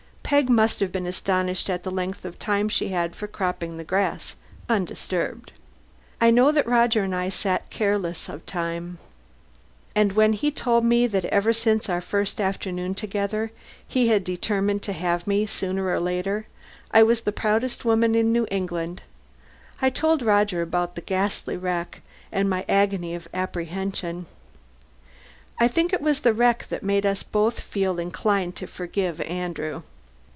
Peg must have been astonished at the length of time she had for cropping the grass, undisturbed. I know that Roger and I sat careless of time. And when he told me that ever since our first afternoon together he had determined to have me, sooner or later, I was the proudest woman in New England. I told Roger about the ghastly wreck, and my agony of apprehension. I think it was the wreck that made us both feel inclined to forgive Andrew.